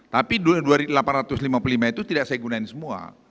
tapi delapan ratus lima puluh lima itu tidak saya gunain semua